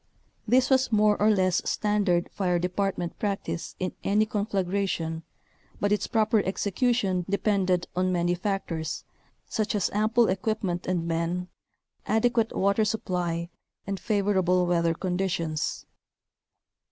This was more or less standard fire department practice in any conflagration but its proper execution depended on many factors, such as ample equipment and men, adequate water supply, and favorable weather conditions.